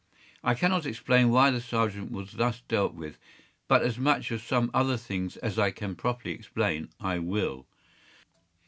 I cannot explain why the sergeant was thus dealt with; but as much of some other things as I can properly explain, I will.